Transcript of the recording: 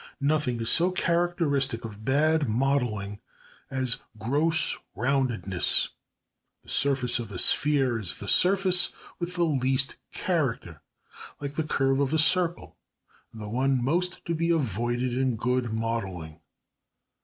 Nothing is so characteristic of bad modelling as "gross roundnesses." The surface of a sphere is the surface with the least character, like the curve of a circle, and the one most to be avoided in good modelling.